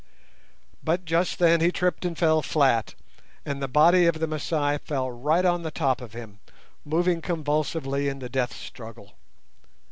But just then he tripped and fell flat, and the body of the Masai fell right on the top of him, moving convulsively in the death struggle.